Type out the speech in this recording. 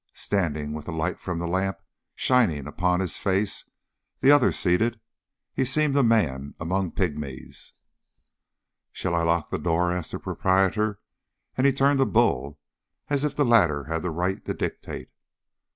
Standing with the light from the lamp shining upon his face, the others seated, he seemed a man among pygmies. "Shall I lock the door?" asked the proprietor, and he turned to Bull, as if the latter had the right to dictate.